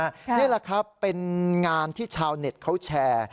นี่แหละครับเป็นงานที่ชาวเน็ตเขาแชร์